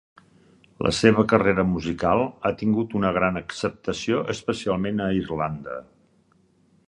La seva carrera musical ha tingut una gran acceptació especialment a Irlanda.